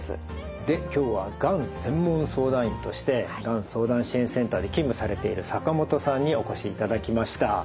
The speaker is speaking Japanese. で今日はがん専門相談員としてがん相談支援センターで勤務されている坂本さんにお越しいただきました。